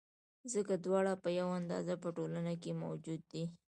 ځکه دواړه په یوه اندازه په ټولنه کې موجود دي.